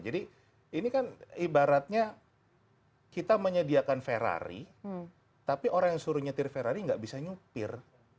jadi ini kan ibaratnya kita menyediakan ferrari tapi orang yang suruh nyetir ferrari nggak bisa nyupir